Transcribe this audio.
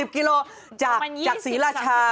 ๔๐กิโลกรัมจากศรีราชา